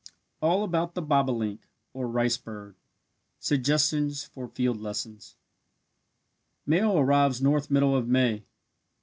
ALL ABOUT THE BOBOLINK OR RICEBIRD SUGGESTIONS FOR FIELD LESSONS Male arrives north middle of May.